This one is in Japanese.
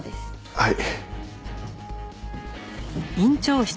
はい。